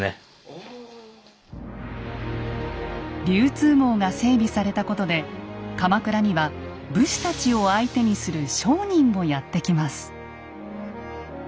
流通網が整備されたことで鎌倉には武士たちを相手にする商人もやって来ます。